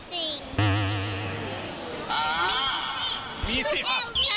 มันไม่จริง